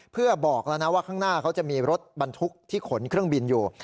เพื่อบอกแล้วนะว่าข้างหน้าเขาจะมีรถบรรทุกที่ขนเครื่องบินอยู่